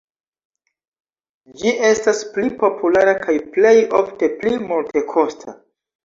Ĝi estas pli populara kaj plej ofte pli multekosta.